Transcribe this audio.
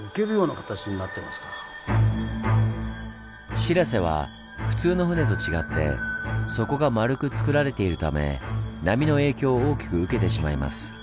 しらせは普通の船と違って底が丸く造られているため波の影響を大きく受けてしまいます。